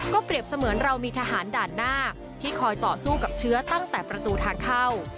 เปรียบเสมือนเรามีทหารด่านหน้าที่คอยต่อสู้กับเชื้อตั้งแต่ประตูทางเข้า